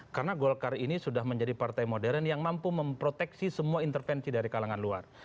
karena golkar ini sudah menjadi partai modern yang mampu memproteksi semua intervensi dari kalangan luar